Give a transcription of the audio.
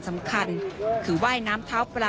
สำคัญคือไหว้น้ำเท้าเปล่า